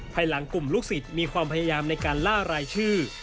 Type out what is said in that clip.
ภายหลังกลุ่มลูกศิษย์มีความพยายามในการล่ารายชื่อ